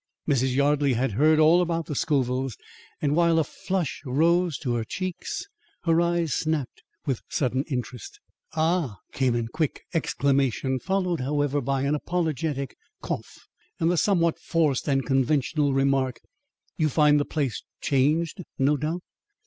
Mrs. Yardley had heard all about the Scovilles; and, while a flush rose to her cheeks, her eyes snapped with sudden interest. "Ah!" came in quick exclamation, followed, however, by an apologetic cough and the somewhat forced and conventional remark: "You find the place changed, no doubt?"